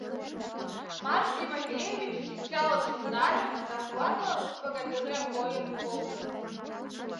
Марк Тимофеевич шинчалыкшым нале да куатле руш богатырьла койын колтыш.